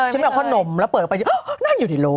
สวัสดีค่ะข้าวใส่ไข่สดใหม่เยอะสวัสดีค่ะ